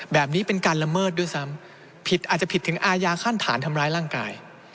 แบบนี้เป็นการละเมิดด้วยซ้ำผิดอาจจะผิดถึงอายาขั้นฐานทำร้ายร่างกาย